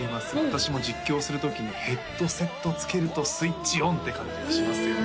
私も実況する時にヘッドセットつけるとスイッチオンって感じがしますよ